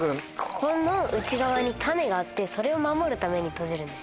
ここの内側に種があってそれを守るために閉じるんです。